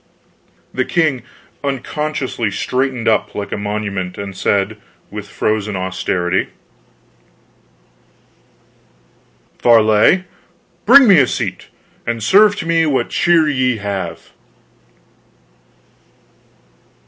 The king unconsciously straightened up like a monument, and said, with frozen austerity: "Varlet, bring a seat; and serve to me what cheer ye have."